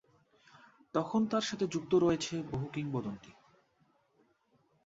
তখন তার সাথে যুক্ত রয়েছে বহু কিংবদন্তী।